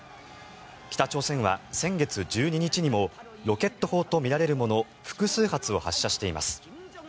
北朝鮮は先月１２日にもロケット砲とみられるもの複数発を発射しています。